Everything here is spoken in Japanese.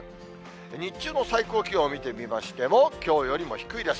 日中の最高気温を見てみましても、きょうよりも低いです。